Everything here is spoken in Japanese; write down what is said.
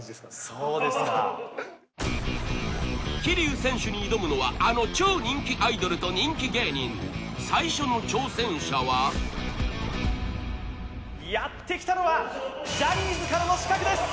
そうですか桐生選手に挑むのはあの超人気アイドルと人気芸人最初の挑戦者はやってきたのはジャニーズからの刺客です